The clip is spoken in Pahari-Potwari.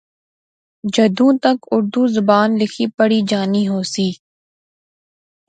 جدوں تک اُردو زبان لیخی پڑھی جانی ہوسی